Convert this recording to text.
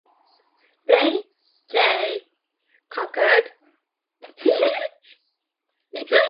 Blain J concurred.